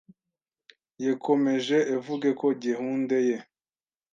Yekomeje evuge ko gehunde ye